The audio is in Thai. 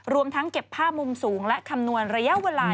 รวมทั้งเก็บภาพมุมสูงและคำนวณระยะเวลา